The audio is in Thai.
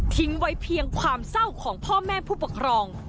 ไว้เพียงความเศร้าของพ่อแม่ผู้ปกครอง